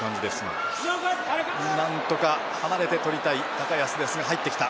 なんとか離れて取りたい高安ですが入ってきた。